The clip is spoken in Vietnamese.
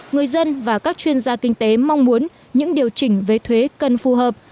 người dân và các chuyên gia kinh tế mong muốn những điều chỉnh về thuế cần phù hợp